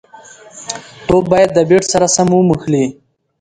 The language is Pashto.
توپ باید د بېټ سره سم وموښلي.